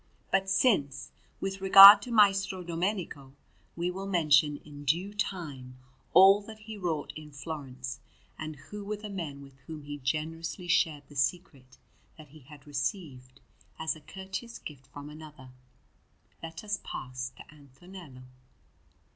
But since, with regard to Maestro Domenico, we will mention in due time all that he wrought in Florence, and who were the men with whom he generously shared the secret that he had received as a courteous gift from another, let us pass to Antonello.